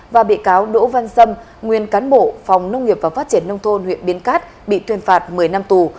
và bị cáo đỗ văn sâm nguyên cán bộ phòng nông nghiệp và phát triển nông thôn huyện biến cát bị tuyên phạt một mươi năm tù